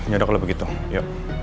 yaudah kalau begitu yuk